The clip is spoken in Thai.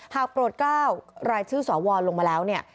หากโปรดเกล้ารายชื่อสวลงมาแล้วเนี่ย